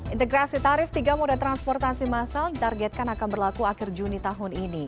integrasi tarif tiga moda transportasi masal ditargetkan akan berlaku akhir juni tahun ini